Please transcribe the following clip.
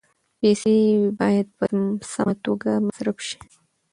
پیسې باید په سمه توګه مصرف شي.